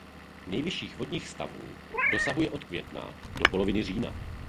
Nejvyšších vodních stavů dosahuje od května do poloviny října.